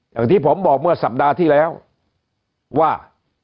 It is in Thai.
อย่างที่ผมบอกเมื่อสัปดาห์ที่แล้วว่า